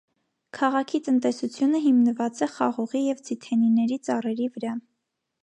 Քաղաքի տնտեսությունը հիմնված է խաղողի և ձիթենիների ծառերի վրա։